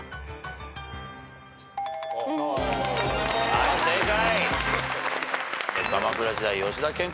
はい正解。